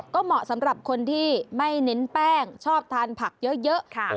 ก็เหมาะสำหรับคนที่ไม่เน้นแป้งชอบทานผักเยอะค่ะ